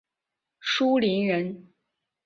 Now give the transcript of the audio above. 舒磷人。